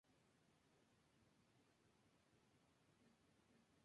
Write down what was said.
Es internacional con la Selección de balonmano de Hungría.